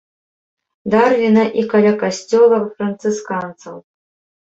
Дарвіна і каля касцёла францысканцаў.